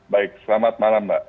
baik selamat malam mbak